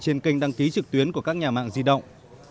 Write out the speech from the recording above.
trên kênh đăng ký trực tuyến của các nhà mạng di động